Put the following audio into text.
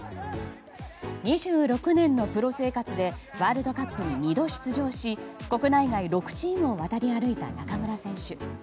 ２６年のプロ生活でワールドカップに２度出場し国内外６チームを渡り歩いた中村選手。